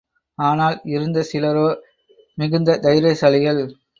ஆனால் இருந்த சிலரோ மிகுந்த தைரியசாலிகள்.